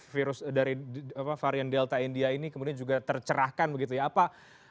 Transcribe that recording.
varian delta india ini kemudian juga tercerahkan begitu ya